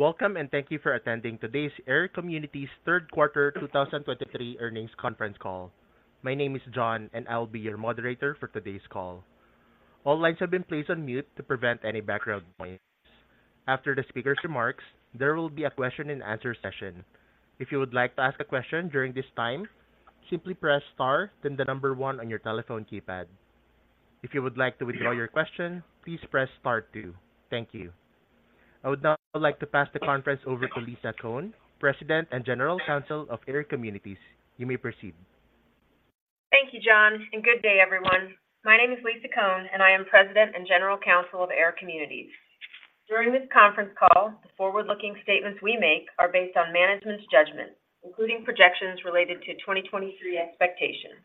Welcome, and thank you for attending today's AIR Communities Q3 2023 earnings conference call. My name is John, and I'll be your moderator for today's call. All lines have been placed on mute to prevent any background noise. After the speaker's remarks, there will be a question and answer session. If you would like to ask a question during this time, simply press Star, then the number one on your telephone keypad. If you would like to withdraw your question, please press Star two. Thank you. I would now like to pass the conference over to Lisa Cohn, President and General Counsel of AIR Communities. You may proceed. Thank you, John, and good day, everyone. My name is Lisa Cohn, and I am President and General Counsel of AIR Communities. During this conference call, the forward-looking statements we make are based on management's judgment, including projections related to 2023 expectations.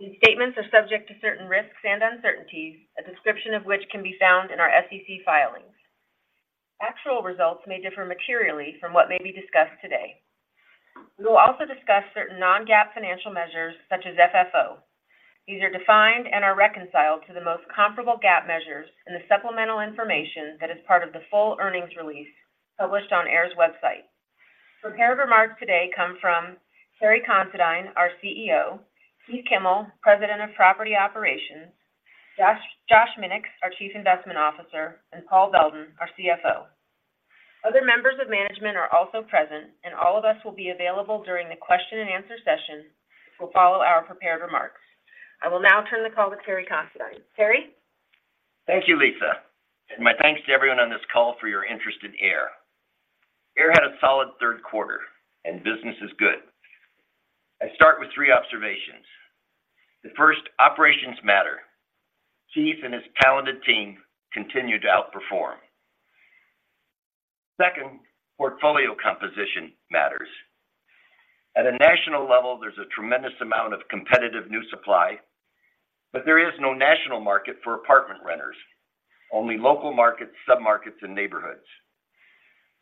These statements are subject to certain risks and uncertainties, a description of which can be found in our SEC filings. Actual results may differ materially from what may be discussed today. We will also discuss certain non-GAAP financial measures, such as FFO. These are defined and are reconciled to the most comparable GAAP measures in the supplemental information that is part of the full earnings release published on AIR's website. Prepared remarks today come from Terry Considine, our CEO; Keith Kimmel, President of Property Operations; Josh Minix, our Chief Investment Officer; and Paul Beldin, our CFO. Other members of management are also present, and all of us will be available during the question and answer session, which will follow our prepared remarks. I will now turn the call to Terry Considine. Terry? Thank you, Lisa, and my thanks to everyone on this call for your interest in AIR. AIR had a solid Q3, and business is good. I start with three observations. The first, operations matter. Keith and his talented team continue to outperform. Second, portfolio composition matters. At a national level, there's a tremendous amount of competitive new supply, but there is no national market for apartment renters, only local markets, submarkets, and neighborhoods.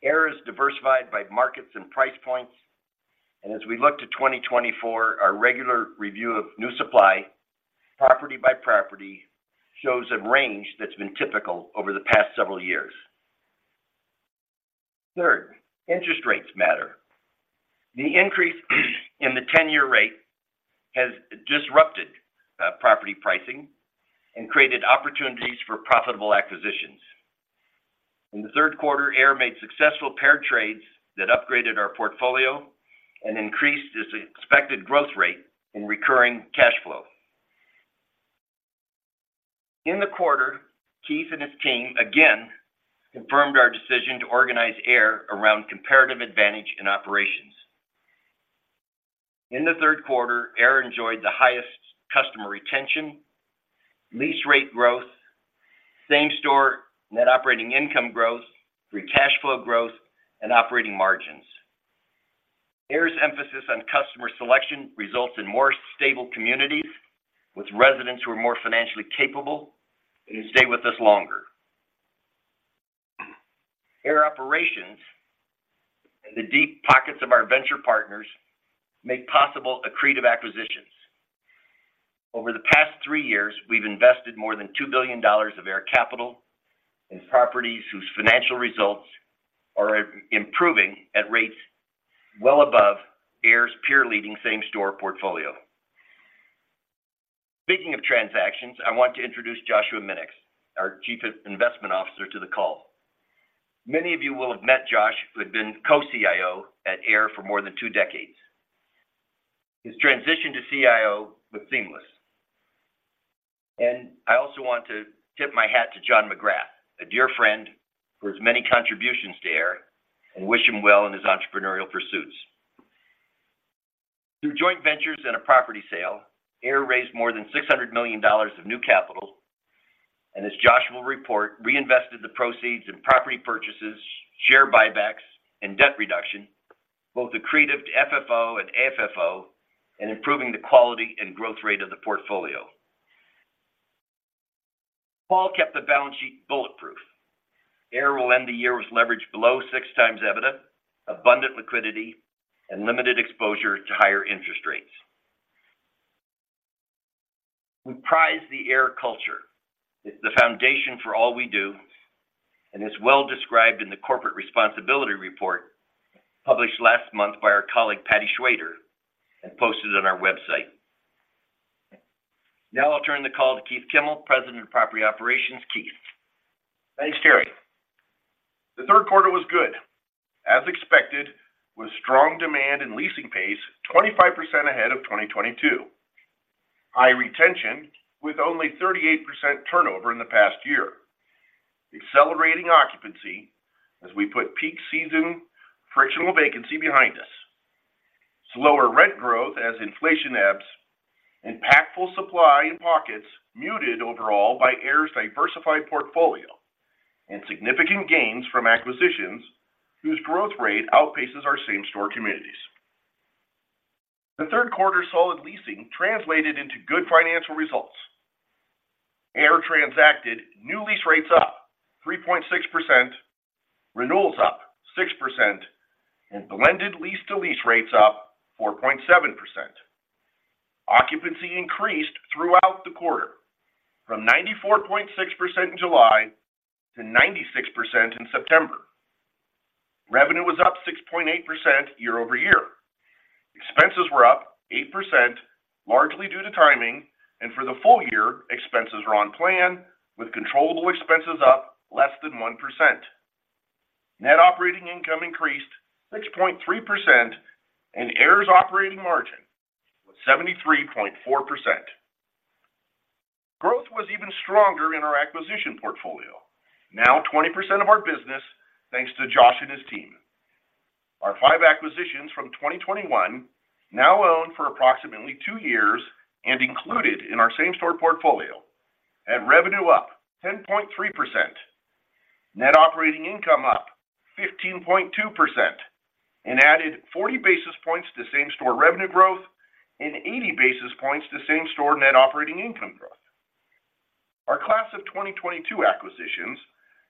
AIR is diversified by markets and price points, and as we look to 2024, our regular review of new supply, property by property, shows a range that's been typical over the past several years. Third, interest rates matter. The increase in the 10-year rate has disrupted property pricing and created opportunities for profitable acquisitions. In the Q3, AIR made successful pair trades that upgraded our portfolio and increased its expected growth rate in recurring cash flow. In the quarter, Keith and his team again confirmed our decision to organize AIR around comparative advantage in operations. In the Q3, AIR enjoyed the highest customer retention, lease rate growth, same-store net operating income growth, free cash flow growth, and operating margins. AIR's emphasis on customer selection results in more stable communities with residents who are more financially capable and who stay with us longer. AIR operations and the deep pockets of our venture partners make possible accretive acquisitions. Over the past three years, we've invested more than $2 billion of AIR capital in properties whose financial results are improving at rates well above AIR's peer-leading same-store portfolio. Speaking of transactions, I want to introduce Joshua Minix, our Chief Investment Officer, to the call. Many of you will have met Josh, who had been co-CIO at AIR for more than two decades. His transition to CIO was seamless. And I also want to tip my hat to John McGrath, a dear friend, for his many contributions to AIR, and wish him well in his entrepreneurial pursuits. Through joint ventures and a property sale, AIR raised more than $600 million of new capital, and as Josh will report, reinvested the proceeds in property purchases, share buybacks, and debt reduction, both accretive to FFO and AFFO, and improving the quality and growth rate of the portfolio. Paul kept the balance sheet bulletproof. AIR will end the year with leverage below 6x EBITDA, abundant liquidity, and limited exposure to higher interest rates. We prize the AIR culture, it's the foundation for all we do, and it's well described in the corporate responsibility report, published last month by our colleague, Patti Fielding, and posted on our website. Now I'll turn the call to Keith Kimmel, President of Property Operations. Keith? Thanks, Terry. The Q3 was good, as expected, with strong demand and leasing pace, 25% ahead of 2022. High retention, with only 38% turnover in the past year. Accelerating occupancy, as we put peak season frictional vacancy behind us. Slower rent growth as inflation ebbs, impactful supply in pockets, muted overall by AIR's diversified portfolio, and significant gains from acquisitions whose growth rate outpaces our same-store communities. The Q3 solid leasing translated into good financial results. AIR transacted new lease rates up 3.6%, renewals up 6% and blended lease-to-lease rates up 4.7%. Occupancy increased throughout the quarter, from 94.6% in July to 96% in September. Revenue was up 6.8% year-over-year. Expenses were up 8%, largely due to timing, and for the full year, expenses were on plan, with controllable expenses up less than 1%. Net operating income increased 6.3%, and AIR's operating margin was 73.4%. Growth was even stronger in our acquisition portfolio, now 20% of our business, thanks to Josh and his team. Our five acquisitions from 2021, now owned for approximately two years and included in our same-store portfolio, had revenue up 10.3%, net operating income up 15.2%, and added 40 basis points to same-store revenue growth and 80 basis points to same-store net operating income growth. Our class of 2022 acquisitions,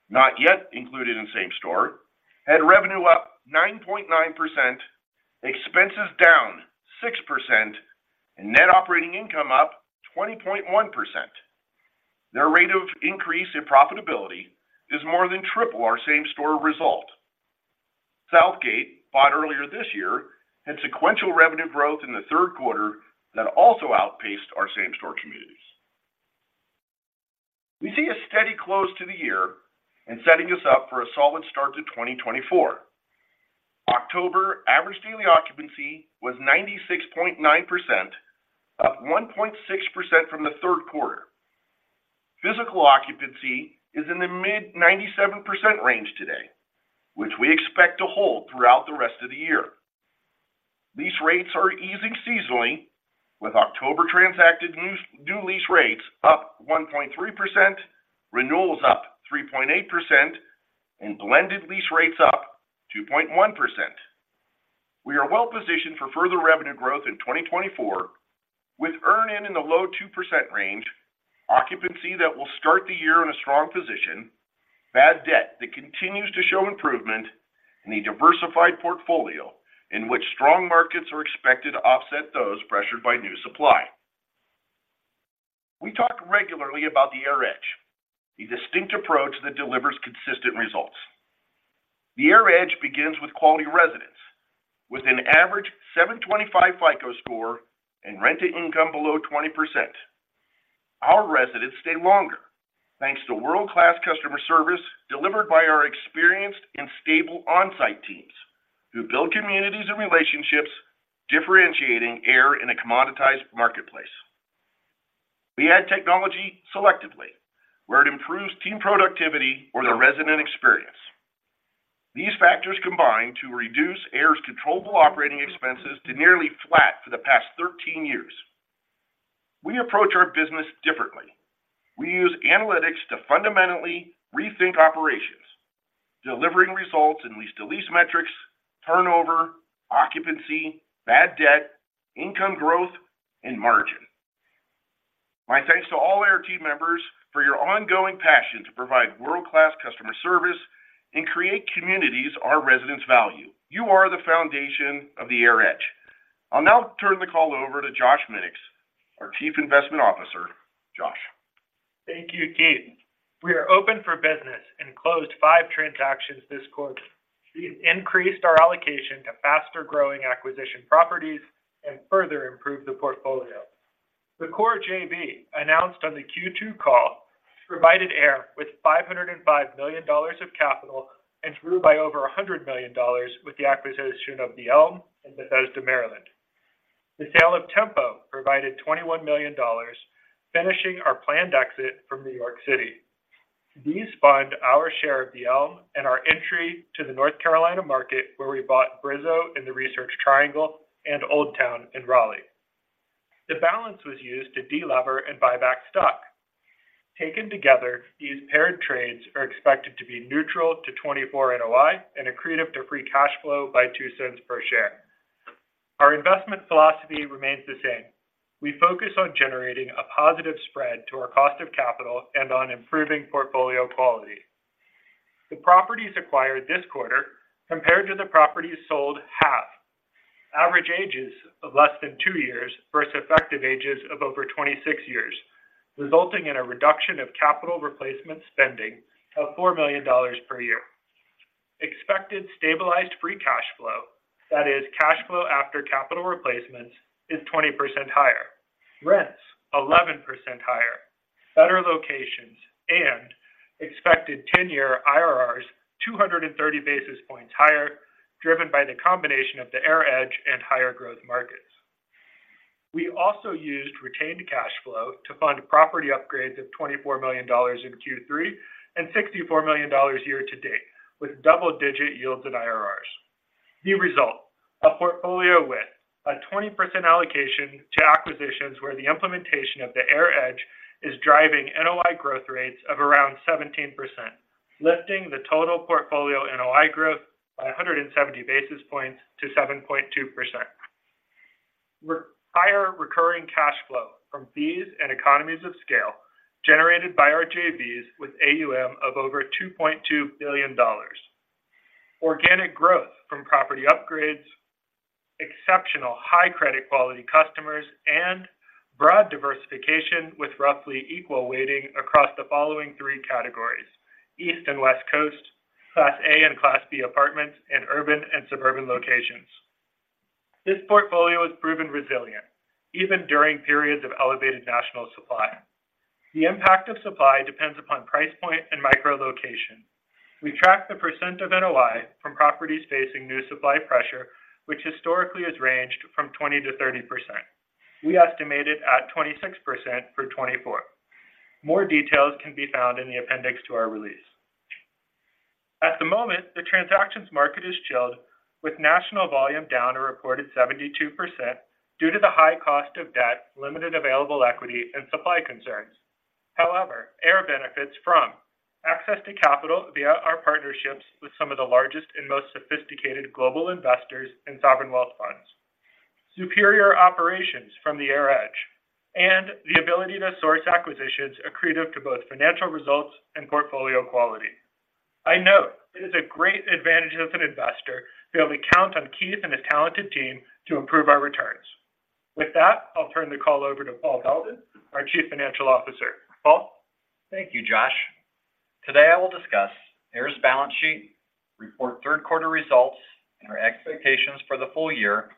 not yet included in same-store, had revenue up 9.9%, expenses down 6%, and net operating income up 20.1%. Their rate of increase in profitability is more than triple our same-store result. Southgate, bought earlier this year, had sequential revenue growth in the Q3 that also outpaced our same-store communities. We see a steady close to the year and setting us up for a solid start to 2024. October average daily occupancy was 96.9%, up 1.6% from the Q3. Physical occupancy is in the mid-97% range today, which we expect to hold throughout the rest of the year. Lease rates are easing seasonally, with October transacted new lease rates up 1.3%, renewals up 3.8%, and blended lease rates up 2.1%. We are well-positioned for further revenue growth in 2024, with earn-in in the low 2% range, occupancy that will start the year in a strong position, bad debt that continues to show improvement, and a diversified portfolio in which strong markets are expected to offset those pressured by new supply. We talk regularly about The AIR Edge, a distinct approach that delivers consistent results. The AIR Edge begins with quality residents, with an average 725 FICO Score and rent-to-income below 20%. Our residents stay longer, thanks to world-class customer service delivered by our experienced and stable on-site teams, who build communities and relationships, differentiating AIR in a commoditized marketplace. We add technology selectively, where it improves team productivity or the resident experience. These factors combine to reduce AIR's controllable operating expenses to nearly flat for the past 13 years. We approach our business differently. We use analytics to fundamentally rethink operations, delivering results in lease-to-lease metrics, turnover, occupancy, bad debt, income growth, and margin. My thanks to all AIR team members for your ongoing passion to provide world-class customer service and create communities our residents value. You are the foundation of the AIR Edge. I'll now turn the call over to Josh Minix, our Chief Investment Officer. Josh? Thank you, Keith. We are open for business and closed five transactions this quarter. We increased our allocation to faster-growing acquisition properties and further improved the portfolio. The Core JV, announced on the Q2 call, provided AIR with $505 million of capital and grew by over $100 million with the acquisition of The Elm in Bethesda, Maryland. The sale of Tempo provided $21 million, finishing our planned exit from New York City. These fund our share of The Elm and our entry to the North Carolina market, where we bought Brizo in the Research Triangle and Old Town in Raleigh. The balance was used to delever and buy back stock. Taken together, these paired trades are expected to be neutral to 2024 NOI and accretive to free cash flow by $0.02 per share. Our investment philosophy remains the same. We focus on generating a positive spread to our cost of capital and on improving portfolio quality. The properties acquired this quarter, compared to the properties sold half, average ages of less than 2 years versus effective ages of over 26 years, resulting in a reduction of capital replacement spending of $4 million per year. Expected stabilized free cash flow, that is, cash flow after capital replacements, is 20% higher, rents 11% higher, better locations, and expected 10-year IRRs 230 basis points higher, driven by the combination of the AIR Edge and higher growth markets. We also used retained cash flow to fund property upgrades of $24 million in Q3 and $64 million year-to-date, with double-digit yields in IRRs. The result: a portfolio with a 20% allocation to acquisitions where the implementation of the AIR Edge is driving NOI growth rates of around 17%, lifting the total portfolio NOI growth by 170 basis points to 7.2%. We're higher recurring cash flow from fees and economies of scale generated by our JVs with AUM of over $2.2 billion. Organic growth from property upgrades, exceptional high credit quality customers, and broad diversification with roughly equal weighting across the following three categories: East and West Coast, Class A and Class B apartments, and urban and suburban locations. This portfolio has proven resilient, even during periods of elevated national supply. The impact of supply depends upon price point and micro location. We track the percent of NOI from properties facing new supply pressure, which historically has ranged from 20%-30%. We estimate it at 26% for 2024. More details can be found in the appendix to our release. At the moment, the transactions market is chilled, with national volume down a reported 72% due to the high cost of debt, limited available equity, and supply concerns. However, AIR benefits from access to capital via our partnerships with some of the largest and most sophisticated global investors and sovereign wealth funds, superior operations from the AIR Edge, and the ability to source acquisitions accretive to both financial results and portfolio quality. I know it is a great advantage as an investor to be able to count on Keith and his talented team to improve our returns. With that, I'll turn the call over to Paul Beldin, our Chief Financial Officer. Paul? Thank you, Josh. Today, I will discuss AIR's balance sheet, report Q3 results and our expectations for the full year,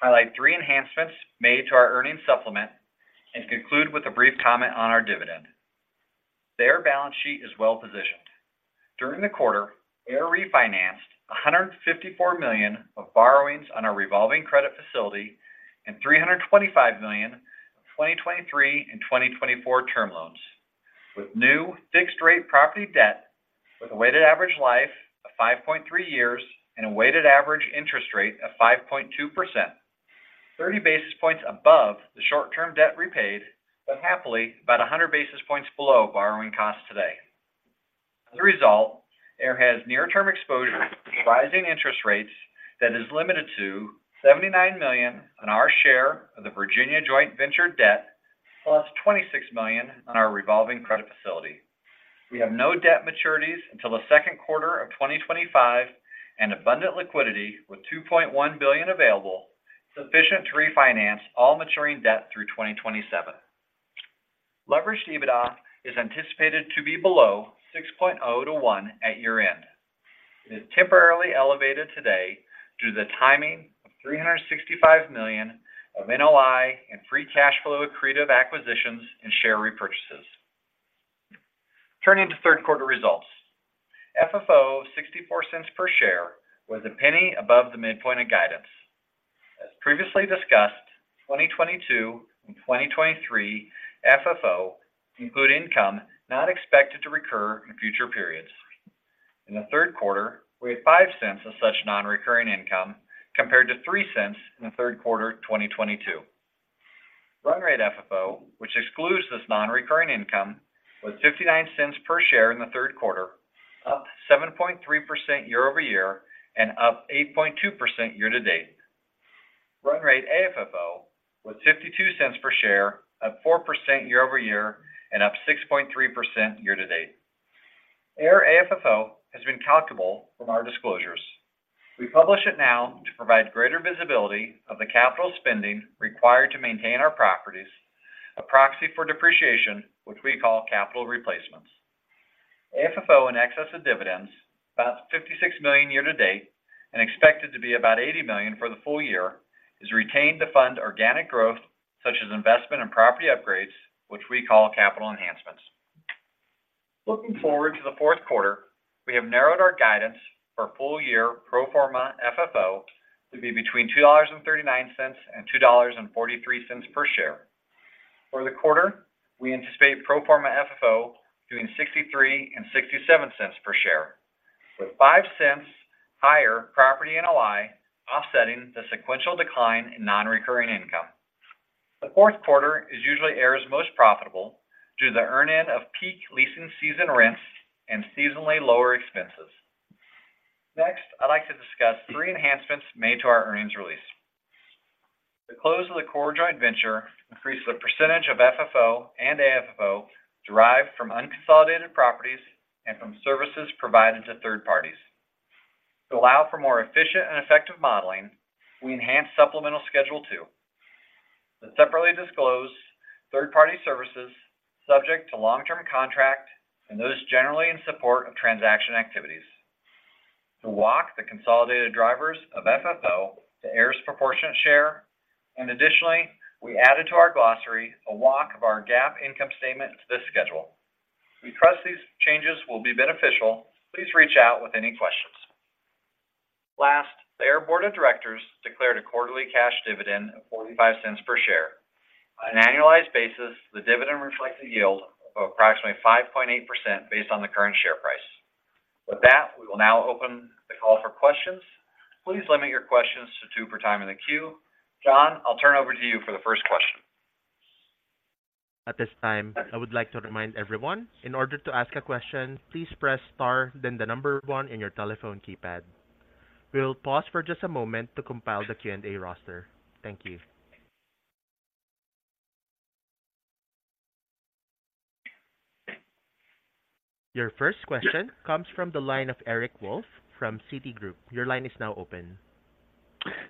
highlight three enhancements made to our earnings supplement, and conclude with a brief comment on our dividend. The AIR balance sheet is well positioned. During the quarter, AIR refinanced $154 million of borrowings on our revolving credit facility and $325 million in 2023 and 2024 term loans, with new fixed rate property debt with a weighted average life of 5.3 years and a weighted average interest rate of 5.2%. 30 basis points above the short-term debt repaid, but happily, about 100 basis points below borrowing costs today. As a result, AIR has near-term exposure to rising interest rates that is limited to $79 million on our share of the Virginia joint venture debt, plus $26 million on our revolving credit facility. We have no debt maturities until the Q2 of 2025 and abundant liquidity, with $2.1 billion available, sufficient to refinance all maturing debt through 2027. Leveraged EBITDA is anticipated to be below 6.0 to 1 at year-end. It is temporarily elevated today due to the timing of $365 million of NOI and free cash flow accretive acquisitions and share repurchases. Turning to Q3 results. FFO of $0.64 per share was $0.01 above the midpoint of guidance. As previously discussed, 2022 and 2023 FFO include income not expected to recur in future periods. In the Q3, we had $0.05 of such non-recurring income, compared to $0.03 in the Q3 of 2022. Run Rate FFO, which excludes this non-recurring income, was $0.59 per share in the Q3, up 7.3% year-over-year and up 8.2% year-to-date. Run Rate AFFO was $0.52 per share, up 4% year-over-year and up 6.3% year-to-date. AIR AFFO has been calculable from our disclosures. We publish it now to provide greater visibility of the capital spending required to maintain our properties, a proxy for depreciation, which we call Capital Replacements. AFFO, in excess of dividends, about $56 million year-to-date and expected to be about $80 million for the full year, is retained to fund organic growth, such as investment in property upgrades, which we call capital enhancements. Looking forward to the Q4, we have narrowed our guidance for full-year pro forma FFO to be between $2.39 and $2.43 per share. For the quarter, we anticipate pro forma FFO between $0.63-$0.67 per share, with $0.05 higher property NOI offsetting the sequential decline in non-recurring income. The Q4 is usually AIR's most profitable due to the earn-in of peak leasing season rents and seasonally lower expenses. Next, I'd like to discuss three enhancements made to our earnings release. The close of the core joint venture increased the percentage of FFO and AFFO derived from unconsolidated properties and from services provided to third parties. To allow for more efficient and effective modeling, we enhanced supplemental Schedule 2, that separately disclose third-party services subject to long-term contract and those generally in support of transaction activities. To walk the consolidated drivers of FFO to AIR's proportionate share, and additionally, we added to our glossary a walk of our GAAP income statement to this schedule. We trust these changes will be beneficial. Please reach out with any questions. Last, the AIR Board of Directors declared a quarterly cash dividend of $0.45 per share. On an annualized basis, the dividend reflects a yield of approximately 5.8% based on the current share price. With that, we will now open the call for questions. Please limit your questions to two for time in the queue. John, I'll turn over to you for the first question. At this time, I would like to remind everyone, in order to ask a question, please press star, then the number one in your telephone keypad. We'll pause for just a moment to compile the Q&A roster. Thank you. Your first question comes from the line of Eric Wolfe from Citigroup. Your line is now open.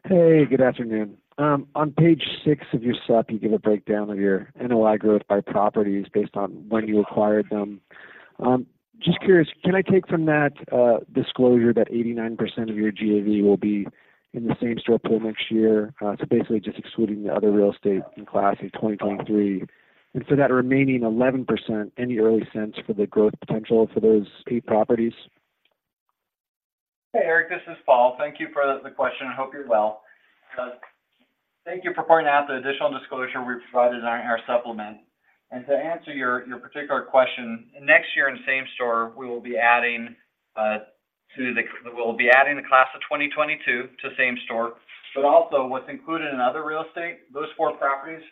Hey, good afternoon. On page 6 of your SOP, you give a breakdown of your NOI growth by properties based on when you acquired them. Just curious, can I take from that disclosure that 89% of your GAV will be in the same-store pool next year? So basically just excluding the other real estate in class of 2023. And so that remaining 11%, any early sense for the growth potential for those new properties? Hey, Eric, this is Paul. Thank you for the question. I hope you're well. Thank you for pointing out the additional disclosure we provided in our, our supplement. To answer your, your particular question, next year in same-store, we will be adding to the- we'll be adding the class of 2022 to same-store, but also what's included in other real estate, those four properties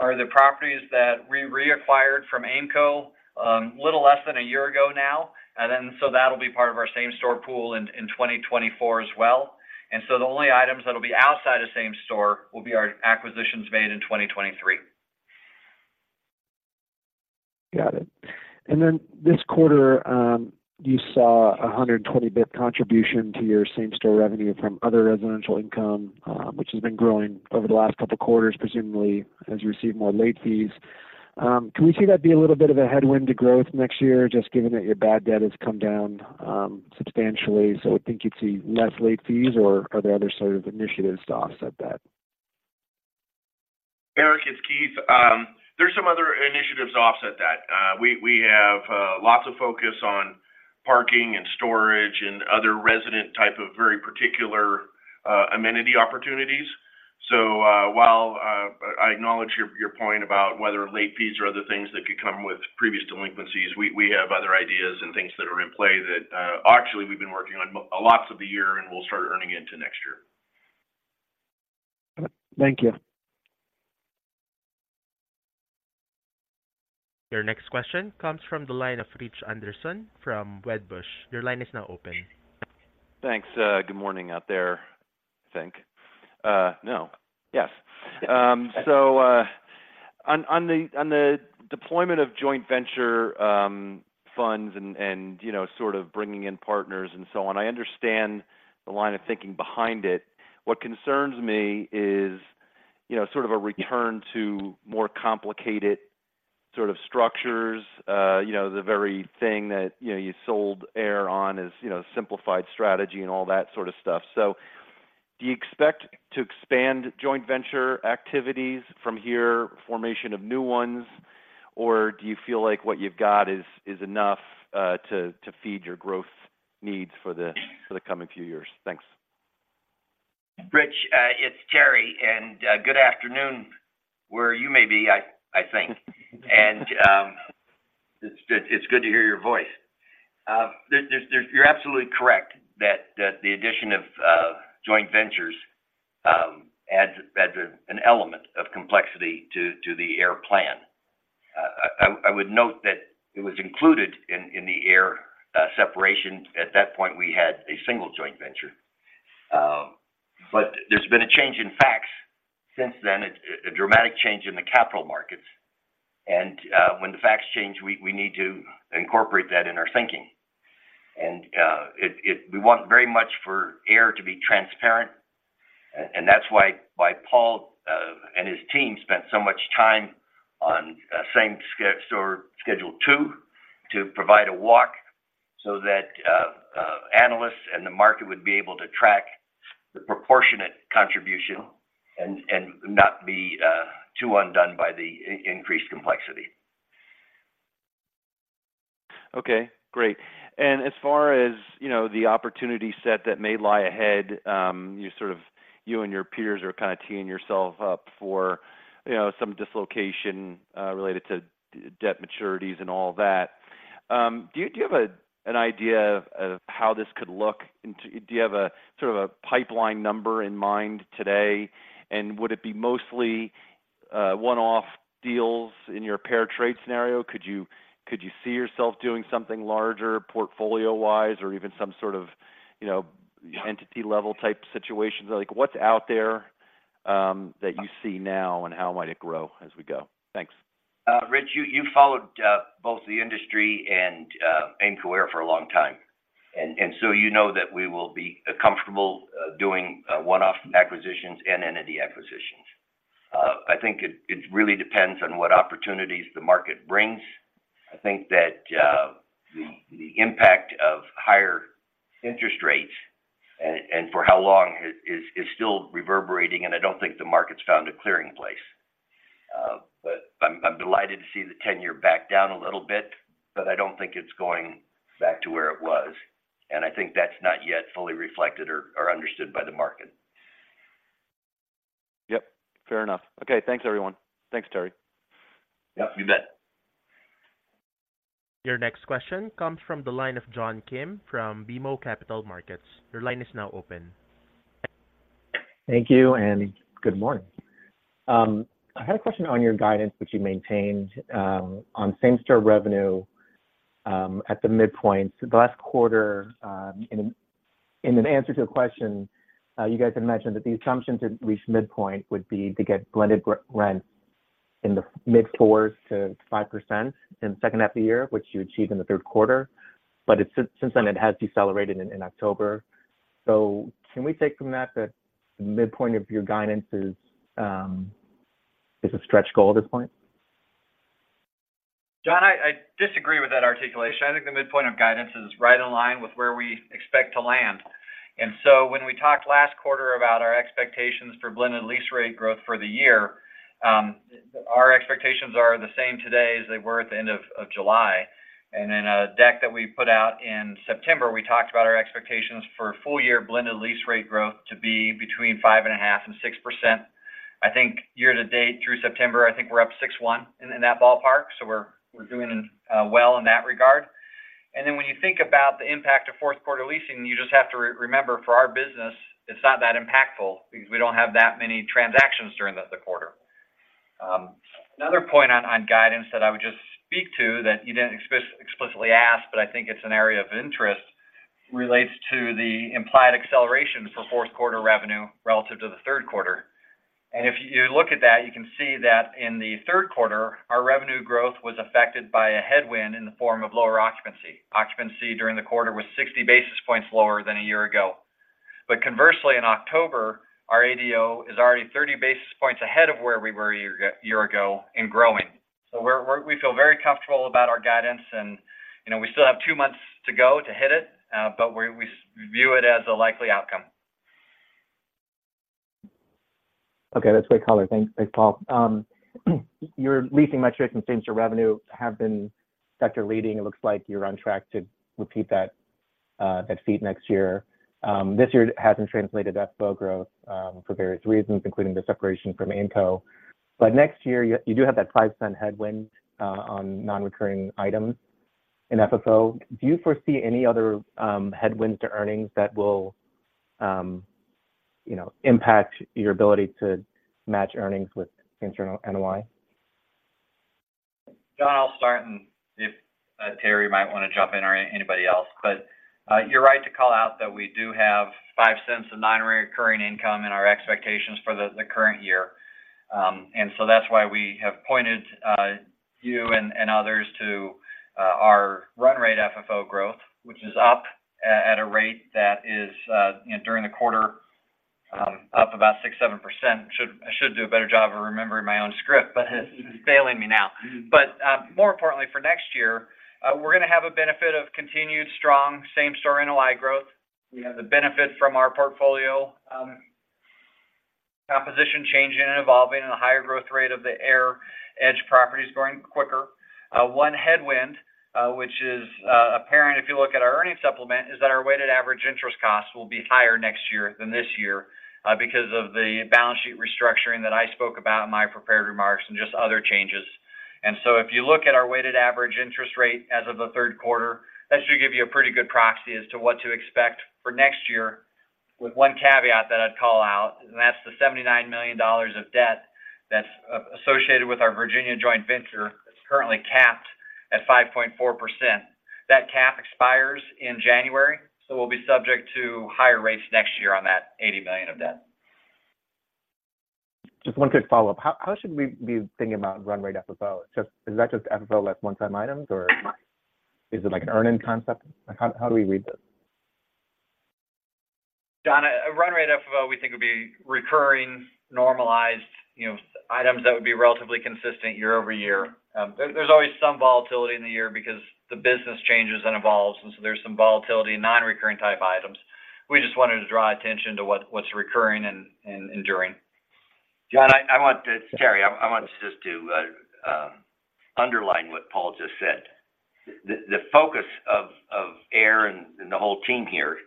are the properties that we reacquired from Aimco little less than a year ago now, and then, so that'll be part of our same-store pool in, in 2024 as well. So the only items that will be outside of same-store will be our acquisitions made in 2023. Got it. And then this quarter, you saw a 120 basis point contribution to your Same-Store revenue from other residential income, which has been growing over the last couple of quarters, presumably as you receive more late fees. Can we see that be a little bit of a headwind to growth next year, just given that your bad debt has come down substantially? So I think you'd see less late fees or are there other sort of initiatives to offset that? Eric, it's Keith. There's some other initiatives to offset that. We have lots of focus on parking and storage and other resident type of very particular amenity opportunities. While I acknowledge your point about whether late fees or other things that could come with previous delinquencies, we have other ideas and things that are in play that actually we've been working on most of the year, and we'll start earning into next year. Thank you. Your next question comes from the line of Rich Anderson from Wedbush. Your line is now open. Thanks. Good morning out there, I think. So, on the deployment of joint venture funds and, you know, sort of bringing in partners and so on, I understand the line of thinking behind it. What concerns me is, you know, sort of a return to more complicated sort of structures, you know, the very thing that, you know, you sold AIR on is, you know, simplified strategy and all that sort of stuff. So do you expect to expand joint venture activities from here, formation of new ones, or do you feel like what you've got is enough to feed your growth needs for the coming few years? Thanks. Rich, it's Terry, and good afternoon, where you may be, I think. It's good to hear your voice. You're absolutely correct that the addition of joint ventures adds an element of complexity to the AIR plan. I would note that it was included in the AIR separation. At that point, we had a single joint venture. But there's been a change in facts since then, a dramatic change in the capital markets. When the facts change, we need to incorporate that in our thinking. We want very much for AIR to be transparent, and that's why Paul and his team spent so much time on same-store Schedule 2, to provide a walk so that analysts and the market would be able to track the proportionate contribution and not be too undone by the increased complexity. Okay, great. And as far as, you know, the opportunity set that may lie ahead, you sort of, you and your peers are kind of teeing yourself up for, you know, some dislocation related to debt maturities and all that. Do you, do you have a, an idea of, of how this could look into—do you have a, sort of a pipeline number in mind today? And would it be mostly, one-off deals in your Pair Trade scenario? Could you, could you see yourself doing something larger, portfolio-wise, or even some sort of, you know, entity level type situations? Like, what's out there, that you see now, and how might it grow as we go? Thanks. Rich, you followed both the industry and Aimco AIR for a long time, and so you know that we will be comfortable doing one-off acquisitions and entity acquisitions. I think it really depends on what opportunities the market brings. I think that the impact of higher interest rates and for how long is still reverberating, and I don't think the market's found a clearing place. But I'm delighted to see the ten-year back down a little bit, but I don't think it's going back to where it was, and I think that's not yet fully reflected or understood by the market. Yep, fair enough. Okay, thanks, everyone. Thanks, Terry. Yep, you bet. Your next question comes from the line of John Kim from BMO Capital Markets. Your line is now open. Thank you, and good morning. I had a question on your guidance, which you maintained, on same-store revenue, at the midpoint. The last quarter, in an answer to a question, you guys had mentioned that the assumption to reach midpoint would be to get blended rent in the mid-4s to 5% in the second half of the year, which you achieved in the Q3, but since then, it has decelerated in October. So can we take from that, that the midpoint of your guidance is a stretch goal at this point? John, I disagree with that articulation. I think the midpoint of guidance is right in line with where we expect to land. And so when we talked last quarter about our expectations for blended lease rate growth for the year, our expectations are the same today as they were at the end of July. And in a deck that we put out in September, we talked about our expectations for full-year blended lease rate growth to be between 5.5% and 6%. I think year-to-date, through September, I think we're up 6.1% in that ballpark, so we're doing well in that regard. And then when you think about the impact of Q4 leasing, you just have to re-remember, for our business, it's not that impactful because we don't have that many transactions during the quarter. Another point on, on guidance that I would just speak to that you didn't explicitly ask, but I think it's an area of interest, relates to the implied acceleration for Q4 revenue relative to the Q3. And if you look at that, you can see that in the Q3, our revenue growth was affected by a headwind in the form of lower occupancy. Occupancy during the quarter was 60 basis points lower than a year ago. But conversely, in October, our ADO is already 30 basis points ahead of where we were a year ago, a year ago, and growing. So we're, we feel very comfortable about our guidance and, you know, we still have two months to go to hit it, but we, we view it as a likely outcome. Okay, that's great color. Thanks. Thanks, Paul. Your leasing metrics and same-store revenue have been sector-leading. It looks like you're on track to repeat that, that feat next year. This year, it hasn't translated to FFO growth, for various reasons, including the separation from Aimco. But next year, you, you do have that $0.05 headwind, on non-recurring items in FFO. Do you foresee any other, headwinds to earnings that will, you know, impact your ability to match earnings with internal NOI? John, I'll start, and if Terry might want to jump in, or anybody else. But you're right to call out that we do have $0.05 of non-recurring income in our expectations for the current year. And so that's why we have pointed you and others to our run rate FFO growth, which is up at a rate that is you know, during the quarter, up about 6%-7%. I should do a better job of remembering my own script, but it's failing me now. But more importantly, for next year, we're going to have a benefit of continued strong same-store NOI growth. We have the benefit from our portfolio composition changing and evolving, and a higher growth rate of the AIR Edge properties growing quicker. One headwind, which is apparent if you look at our earnings supplement, is that our weighted average interest costs will be higher next year than this year, because of the balance sheet restructuring that I spoke about in my prepared remarks and just other changes. And so if you look at our weighted average interest rate as of the Q3, that should give you a pretty good proxy as to what to expect for next year, with one caveat that I'd call out, and that's the $79 million of debt that's associated with our Virginia joint venture. It's currently capped at 5.4%. That cap expires in January, so we'll be subject to higher rates next year on that $80 million of debt. Just one quick follow-up. How should we be thinking about run rate FFO? Just, is that just FFO, less one-time items, or is it like an earning concept? Like, how do we read this? John, a run rate FFO, we think, would be recurring, normalized, you know, items that would be relatively consistent year-over-year. There's always some volatility in the year because the business changes and evolves, and so there's some volatility in non-recurring type items. We just wanted to draw attention to what's recurring and enduring. John, I want to—Terry, I want just to underline what Paul just said. The focus of AIR and the whole team here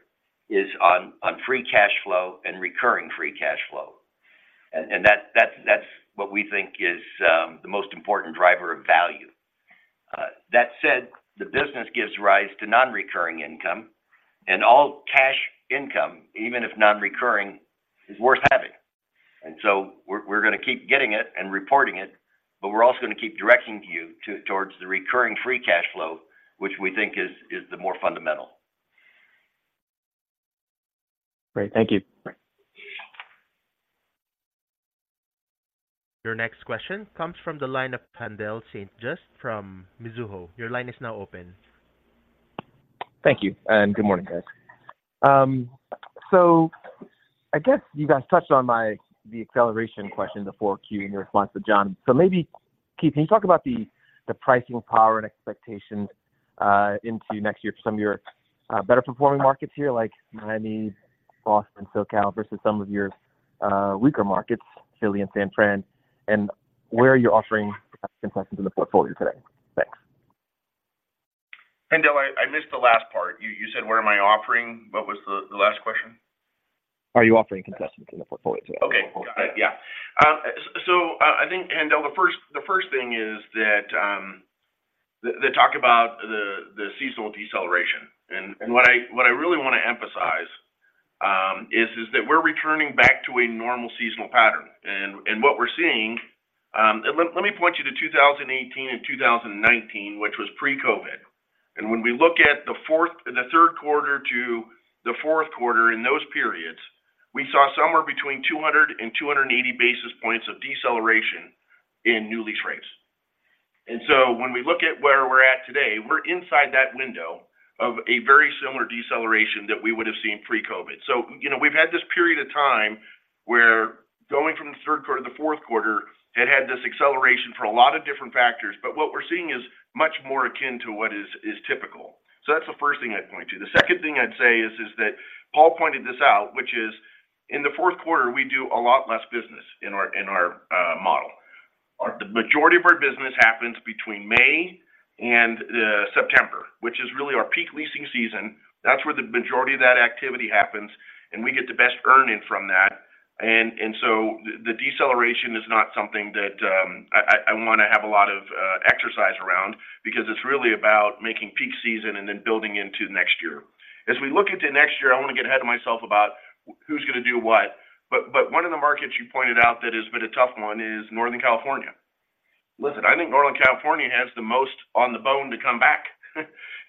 is on free cash flow and recurring free cash flow. And that, that's what we think is the most important driver of value. That said, the business gives rise to non-recurring income and all cash income, even if non-recurring, is worth having. And so we're going to keep getting it and reporting it, but we're also going to keep directing you towards the recurring free cash flow, which we think is the more fundamental. Great. Thank you. Bye. Your next question comes from the line of Haendel St. Juste from Mizuho. Your line is now open. Thank you, and good morning, guys. So I guess you guys touched on my the acceleration question, the 4Q in response to John. So maybe, Keith, can you talk about the, the pricing power and expectation, into next year for some of your, better performing markets here, like Miami, Boston, SoCal, versus some of your, weaker markets, Philly and San Fran, and where are you offering implications in the portfolio today? Thanks. Haendel, I missed the last part. You said, where am I offering? What was the last question? Are you offering concessions in the portfolio today? Okay. Yeah. So I think the first thing is that the talk about the seasonal deceleration. And what I really want to emphasize is that we're returning back to a normal seasonal pattern. And what we're seeing, and let me point you to 2018 and 2019, which was pre-COVID. And when we look at the Q3 to the Q4 in those periods, we saw somewhere between 200 and 280 basis points of deceleration in new lease rates. And so when we look at where we're at today, we're inside that window of a very similar deceleration that we would have seen pre-COVID. So, you know, we've had this period of time where going from the Q3 to the Q4, it had this acceleration for a lot of different factors, but what we're seeing is much more akin to what is typical. So that's the first thing I'd point to. The second thing I'd say is that Paul pointed this out, which is in the Q4, we do a lot less business in our model. The majority of our business happens between May and September, which is really our peak leasing season. That's where the majority of that activity happens, and we get the best earning from that. So the deceleration is not something that I want to have a lot of exercise around because it's really about making peak season and then building into next year. As we look into next year, I want to get ahead of myself about who's going to do what. But one of the markets you pointed out that has been a tough one is Northern California. Listen, I think Northern California has the most on the bone to come back.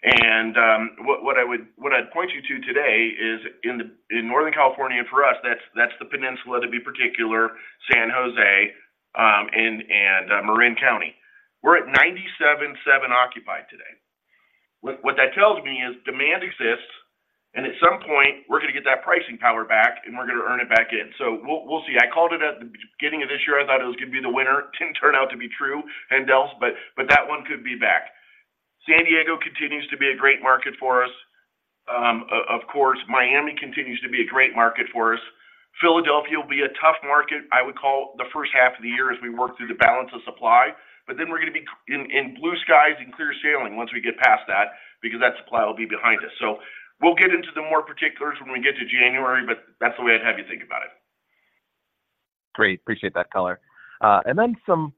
What I'd point you to today is in Northern California, for us, that's the Peninsula, in particular, San José, and Marin County. We're at 97.7% occupied today. What that tells me is demand exists, and at some point, we're going to get that pricing power back, and we're going to earn it back in. So we'll see. I called it at the beginning of this year. I thought it was going to be the winner. Didn't turn out to be true, Hendel, but that one could be back. San Diego continues to be a great market for us. Of course, Miami continues to be a great market for us. Philadelphia will be a tough market, I would call the first half of the year as we work through the balance of supply, but then we're going to be in blue skies and clear sailing once we get past that, because that supply will be behind us. We'll get into the more particulars when we get to January, but that's the way I'd have you think about it. Great. Appreciate that color. And then some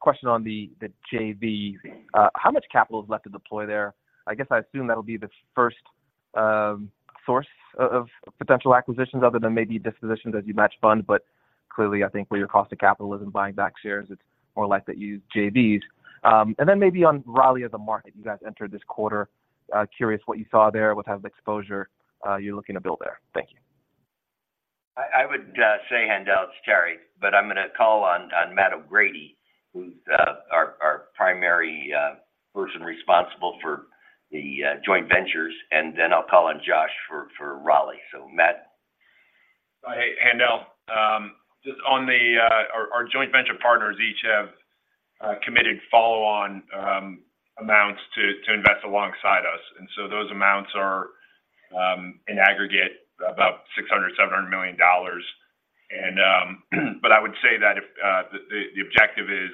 question on the JV. How much capital is left to deploy there? I guess I assume that'll be the first source of potential acquisitions other than maybe dispositions as you match funds, but clearly, I think where your cost of capital is in buying back shares, it's more likely that you use JVs. And then maybe on Raleigh as a market, you guys entered this quarter. Curious what you saw there, what type of exposure you're looking to build there. Thank you. I would say handle this, Terry, but I'm going to call on Matt O'Grady, who's our primary person responsible for the joint ventures, and then I'll call on Josh for Raleigh. So Matt? Hey, Haendel, just on the our joint venture partners each have committed follow-on amounts to invest alongside us. And so those amounts are in aggregate about $600 million-$700 million. And but I would say that if the objective is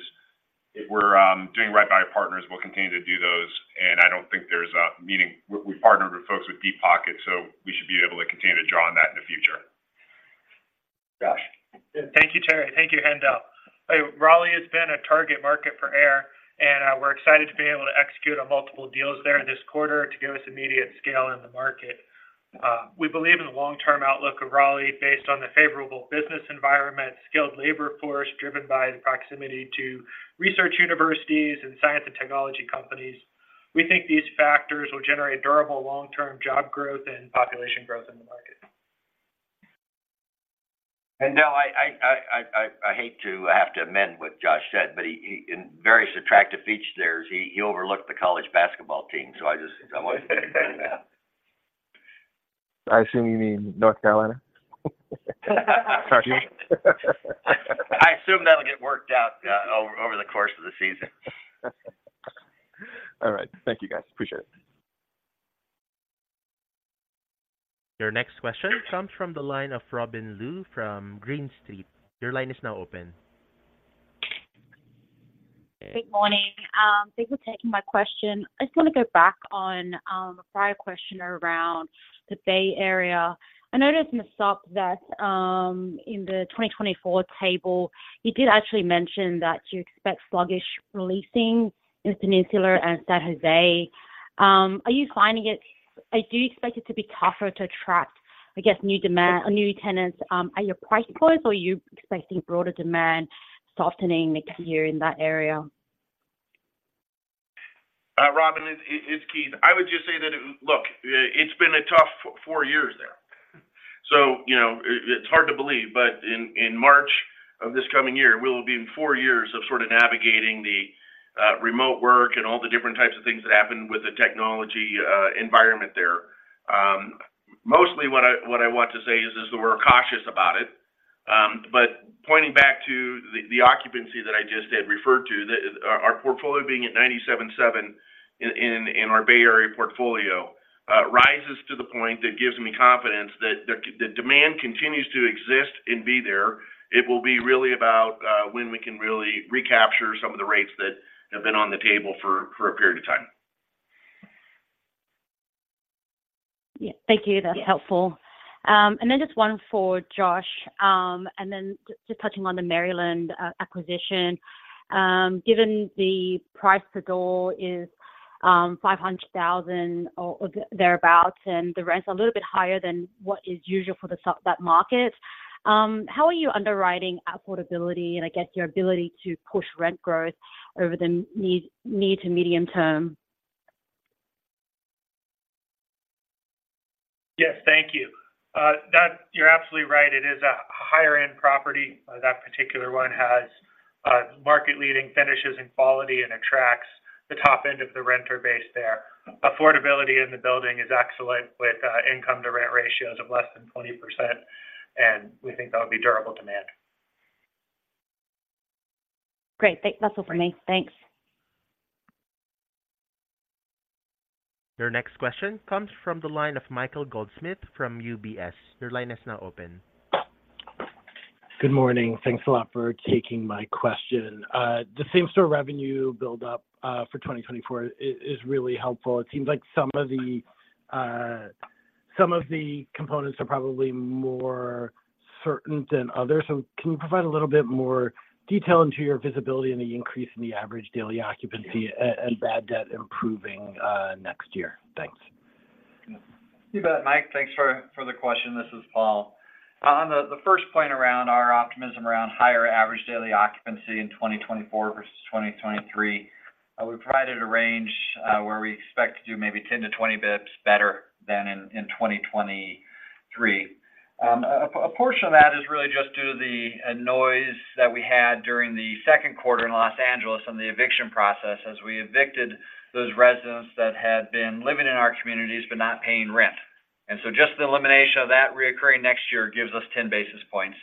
if we're doing right by our partners, we'll continue to do those, and I don't think there's a meaning. We partnered with folks with deep pockets, so we should be able to continue to draw on that in the future. Josh. Thank you, Terry. Thank you, Hendel. Hey, Raleigh has been a target market for AIR, and we're excited to be able to execute on multiple deals there this quarter to give us immediate scale in the market. We believe in the long-term outlook of Raleigh based on the favorable business environment, skilled labor force, driven by the proximity to research universities and science and technology companies. We think these factors will generate durable long-term job growth and population growth in the market. Hendel, I hate to have to amend what Josh said, but in various attractive features there, he overlooked the college basketball team, so I just- I assume you mean North Carolina? I assume that'll get worked out over the course of the season. All right. Thank you, guys. Appreciate it. Your next question comes from the line of Robyn Lu from Green Street. Your line is now open. Good morning. Thank you for taking my question. I just want to go back on a prior question around the Bay Area. I noticed in the supp that in the 2024 table, you did actually mention that you expect sluggish leasing in the Peninsula and San José. Are you finding it—do you expect it to be tougher to attract, I guess, new demand or new tenants? Are you price-wise, or are you expecting broader demand softening next year in that area? Robyn, it's Keith. I would just say that, look, it's been a tough four years there. So, you know, it's hard to believe, but in March of this coming year, we'll be in four years of sort of navigating the remote work and all the different types of things that happened with the technology environment there. Mostly what I want to say is that we're cautious about it, but pointing back to the occupancy that I just had referred to, our portfolio being at 97.7% in our Bay Area portfolio rises to the point that gives me confidence that the demand continues to exist and be there. It will be really about when we can really recapture some of the rates that have been on the table for a period of time. Yeah, thank you. That's helpful. And then just one for Josh, and then just touching on the Maryland acquisition. Given the price per door is $500,000 or thereabout, and the rents are a little bit higher than what is usual for that market, how are you underwriting affordability, and I guess your ability to push rent growth over the mid- to medium-term? Yes, thank you. You're absolutely right. It is a higher-end property. That particular one has market-leading finishes and quality and attracts the top end of the renter base there. Affordability in the building is excellent, with income to rent ratios of less than 20%, and we think that'll be durable demand. Great. That's all for me. Thanks. Your next question comes from the line of Michael Goldsmith from UBS. Your line is now open. Good morning. Thanks a lot for taking my question. The same-store revenue build-up for 2024 is really helpful. It seems like some of the components are probably more certain than others. So can you provide a little bit more detail into your visibility and the increase in the average daily occupancy and bad debt improving next year? Thanks. You bet, Mike. Thanks for the question. This is Paul. On the first point around our optimism around higher average daily occupancy in 2024 versus 2023, we provided a range where we expect to do maybe 10 basis points-20 basis points better than in 2023. A portion of that is really just due to the noise that we had during the Q2 in Los Angeles on the eviction process, as we evicted those residents that had been living in our communities but not paying rent. And so just the elimination of that recurring next year gives us 10 basis points.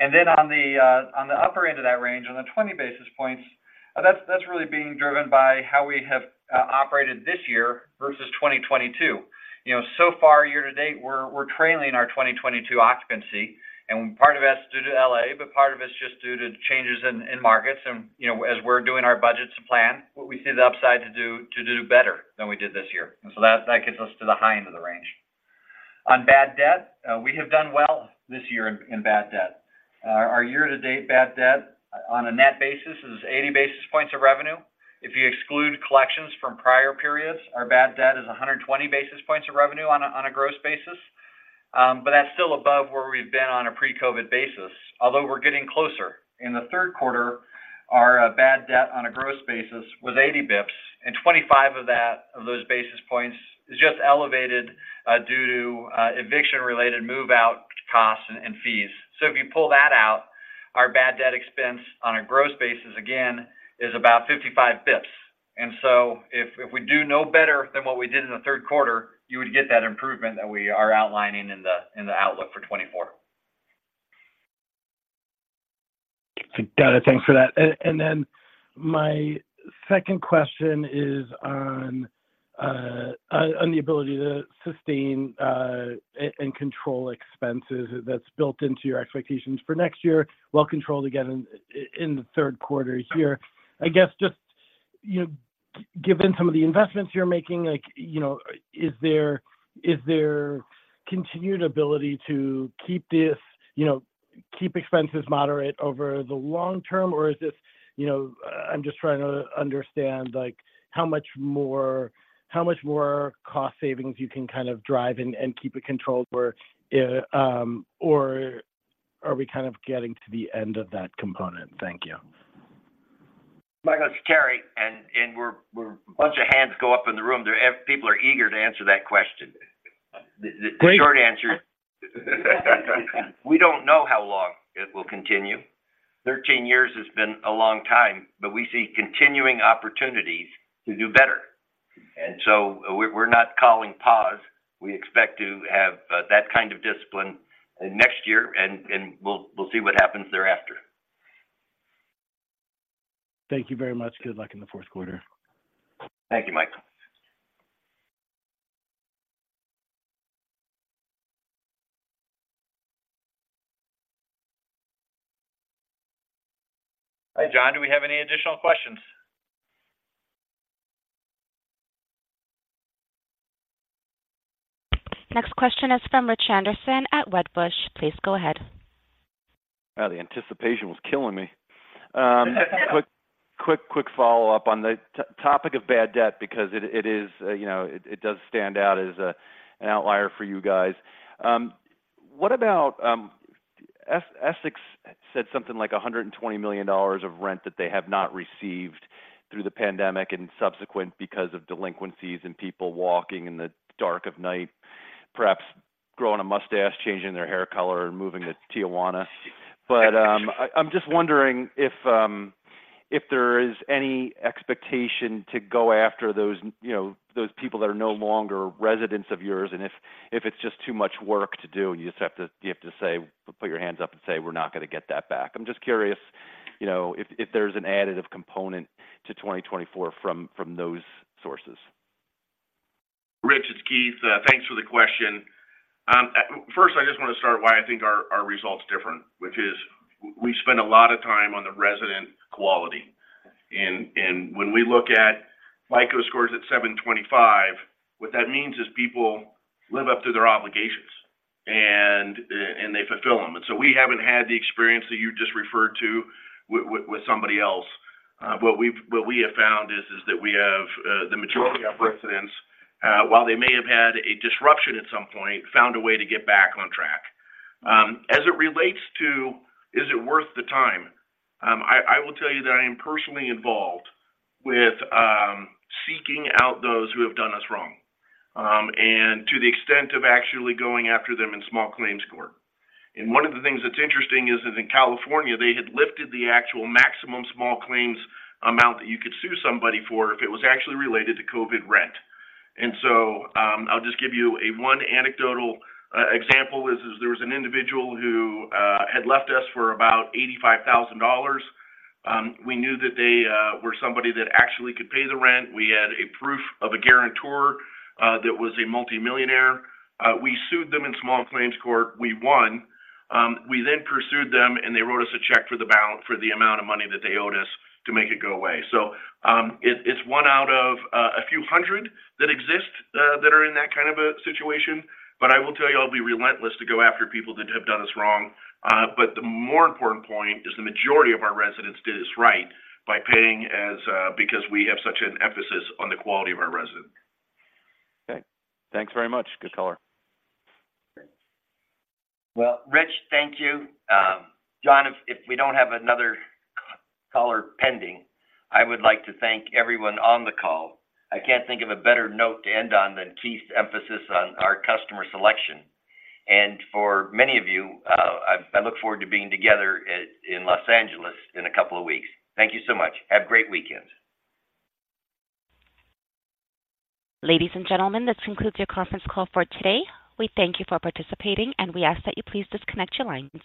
And then on the upper end of that range, on the 20 basis points, that's really being driven by how we have operated this year versus 2022. You know, so far, year-to-date, we're trailing our 2022 occupancy, and part of that's due to LA, but part of it's just due to changes in markets. And, you know, as we're doing our budgets and plan, we see the upside to do better than we did this year. And so that gets us to the high end of the range. On bad debt, we have done well this year in bad debt. Our year-to-date bad debt on a net basis is 80 basis points of revenue. If you exclude collections from prior periods, our bad debt is 120 basis points of revenue on a gross basis. But that's still above where we've been on a pre-COVID basis, although we're getting closer. In the Q3, our bad debt on a gross basis was 80 basis points, and 25 of that, of those basis points is just elevated due to eviction-related move-out costs and fees. So if you pull that out, our bad debt expense on a gross basis, again, is about 55 basis points. And so if we do no better than what we did in the Q3, you would get that improvement that we are outlining in the outlook for 2024. Got it. Thanks for that. And then my second question is on the ability to sustain and control expenses that's built into your expectations for next year, well controlled again in the Q3 here. I guess just, you know, given some of the investments you're making, like, you know, is there continued ability to keep this, you know, keep expenses moderate over the long term? Or is this, you know, I'm just trying to understand, like, how much more cost savings you can kind of drive and keep it controlled, or are we kind of getting to the end of that component? Thank you. Michael, it's Terry, and a bunch of hands go up in the room. There, people are eager to answer that question. Great. The short answer, we don't know how long it will continue. 13 years has been a long time, but we see continuing opportunities to do better. And so we're not calling pause. We expect to have that kind of discipline next year, and we'll see what happens thereafter. Thank you very much. Good luck in the Q4. Thank you, Michael. Hi, John, do we have any additional questions? Next question is from Rich Anderson at Wedbush. Please go ahead. Well, the anticipation was killing me. Quick, quick, quick follow-up on the topic of bad debt, because it, it is, you know, it, it does stand out as a, an outlier for you guys. What about, Essex said something like $120 million of rent that they have not received through the pandemic and subsequent because of delinquencies and people walking in the dark of night, perhaps growing a mustache, changing their hair color, and moving to Tijuana. I'm just wondering if there is any expectation to go after those, you know, those people that are no longer residents of yours, and if it's just too much work to do, and you just have to - you have to say, put your hands up and say, "We're not going to get that back." I'm just curious, you know, if there's an additive component to 2024 from those sources. Rich, it's Keith. Thanks for the question. First, I just want to start why I think our result's different, which is we spend a lot of time on the resident quality. And when we look at FICO scores at 725, what that means is people live up to their obligations and they fulfill them. And so we haven't had the experience that you just referred to with somebody else. What we have found is that we have the majority of residents while they may have had a disruption at some point, found a way to get back on track. As it relates to, is it worth the time? I will tell you that I am personally involved with seeking out those who have done us wrong, and to the extent of actually going after them in small claims court. One of the things that's interesting is that in California, they had lifted the actual maximum small claims amount that you could sue somebody for if it was actually related to COVID rent. I'll just give you an anecdotal example. There was an individual who had left us for about $85,000. We knew that they were somebody that actually could pay the rent. We had a proof of a guarantor that was a multimillionaire. We sued them in small claims court. We won. We then pursued them, and they wrote us a check for the amount of money that they owed us to make it go away. So, it, it's one out of a few hundred that exist that are in that kind of a situation. But I will tell you, I'll be relentless to go after people that have done us wrong. But the more important point is the majority of our residents did us right by paying as, because we have such an emphasis on the quality of our resident. Okay. Thanks very much. Good color. Well, Rich, thank you. John, if we don't have another caller pending, I would like to thank everyone on the call. I can't think of a better note to end on than Keith's emphasis on our customer selection. For many of you, I look forward to being together in Los Angeles in a couple of weeks. Thank you so much. Have a great weekend. Ladies and gentlemen, this concludes your conference call for today. We thank you for participating, and we ask that you please disconnect your lines.